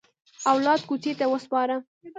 اولاد کوڅې ته وسپاره.